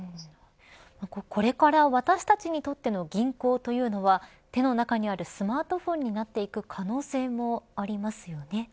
これから、私たちにとっての銀行というのは手の中にあるスマートフォンになっていく可能性もありますよね。